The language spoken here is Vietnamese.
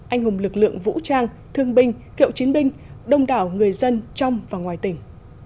anh hùng lực lượng vũ trang thương binh kiệu chiến binh đông đảo người dân trong và ngoài tỉnh